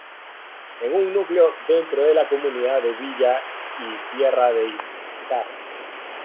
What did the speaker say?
Es un núcleo dentro de la Comunidad de Villa y Tierra de Íscar.